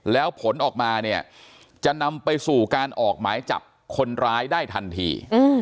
แล้วผลออกมาเนี่ยจะนำไปสู่การออกหมายจับคนร้ายได้ทันที